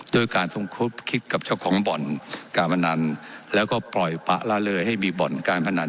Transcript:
โดยการคิดกับเจ้าของบ่อนกาบนันแล้วก็ปล่อยปะละเล่อให้มีบ่อนกาบนัน